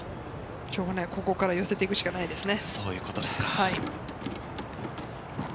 しょうがない、ここから寄せていくしかないですね。